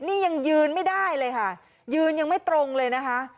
นี่ยังยืนไม่ได้เลยค่ะยืนยังไม่ตรงเลยนะคะ